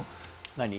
何？